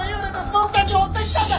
僕たちを追ってきたんだ！